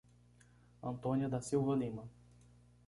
Antônia da Silva Lima